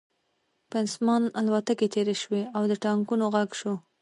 په آسمان الوتکې تېرې شوې او د ټانکونو غږ شو